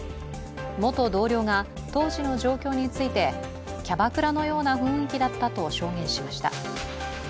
元同僚が当時の状況について、キャバクラのような雰囲気だったと証言しました。